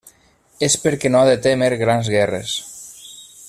És perquè no ha de témer grans guerres.